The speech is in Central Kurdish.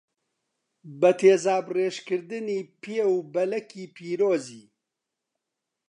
بە تیزابڕێژکردنی پێ و بەلەکی پیرۆزی